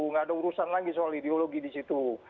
nggak ada urusan lagi soal ideologi di situ